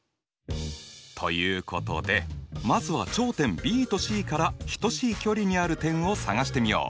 ということでまずは頂点ＢとＣから等しい距離にある点を探してみよう！